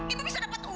ibu bisa seperti ini